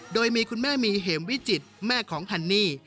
โดยมีคุณแม่มีเหมวิจิตแม่ของฮันนี่